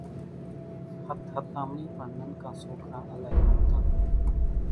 ۿتۿتامڻِي پڻ ننڪان سوڪران الائِي رمتان۔